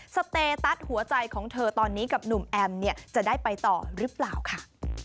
สเตตัสหัวใจของเธอตอนนี้กับหนุ่มแอมเนี่ยจะได้ไปต่อหรือเปล่าค่ะ